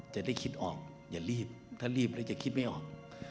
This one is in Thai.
จะได้คิดออกอย่ารีบถ้ารีบแล้วจะคิดไม่ออก